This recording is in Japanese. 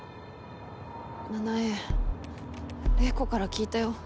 奈々江玲子から聞いたよ。